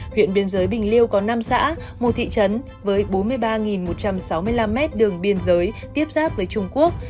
huyện biên giới bình liêu có năm xã một thị trấn với bốn mươi ba một trăm sáu mươi năm mét đường biên giới tiếp giáp với trung quốc